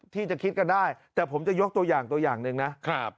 ที่จะคิดกันได้แต่ผมจะยกตัวอย่างตัวอย่างหนึ่งนะครับ